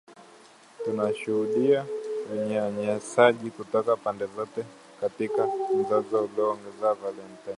Tunashuhudia unyanyasaji kutoka pande zote katika mzozo aliongeza Valentine